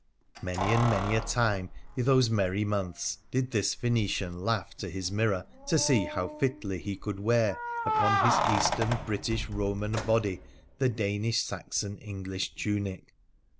Many and many a time, i' those merry months, did this Phoenician laugh to his mirror to see how fitly he could wear upon his Eastern British Eoman body the Danish Saxon Eng lish tunic